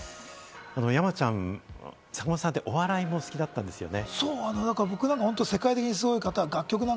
山ちゃん、坂本さんってお笑いもお好きだったんですよね。